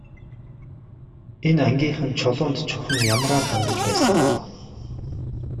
Энэ ангийнхан Чулуунд чухам ямраар хандаж байсан бол оо.